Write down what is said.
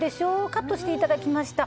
カットしていただきました。